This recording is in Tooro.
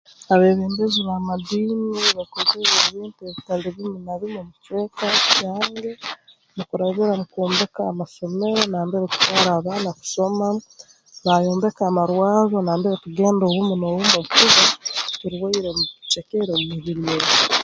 Abeebembezi b'amadiini bakozere ebintu ebitali bimu na bimu omu kicweka kyange mukurabira mu kwombeka amasomero nambere tutwara abaana kusoma baayombeka amarwarro nambere tugenda obumu n'obumu obu tuba turwaire rundi tucekere mu mibiri yaitu